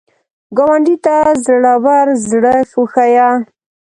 ګاونډي ته زړور زړه وښیه